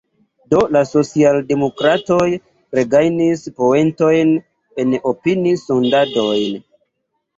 Do la socialdemokratoj regajnis poentojn en opini-sondadoj.